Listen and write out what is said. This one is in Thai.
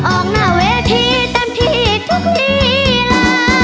ออกหน้าเวทีเต็มที่ทุกที่ลา